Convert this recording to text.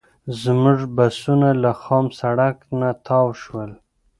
زموږ بسونه له خام سړک نه تاو شول.